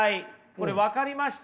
これ分かりました？